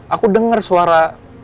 aku denger suara